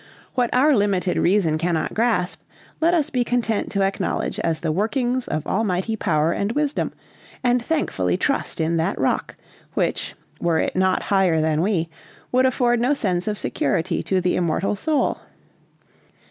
"What our limited reason cannot grasp, let us be content to acknowledge as the workings of Almighty power and wisdom, and thankfully trust in that 'Rock,' which, were it not higher than we, would afford no sense of security to the immortal soul.